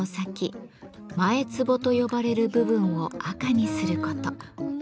「前つぼ」と呼ばれる部分を赤にすること。